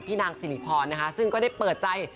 พี่นางสิริพรซึ่งก็ได้เปิดใจ